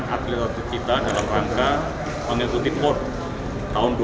kki mempersiapkan atlet atlet kita dalam rangka mengikuti por tahun dua ribu dua puluh empat